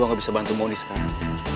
kita gak bisa bantu mondi sekarang